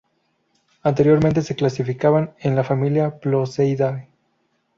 Anteriormente se clasificaban en la familia Ploceidae.